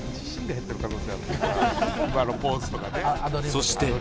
そして。